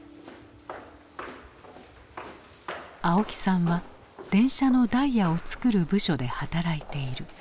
青木さんは電車のダイヤを作る部署で働いている。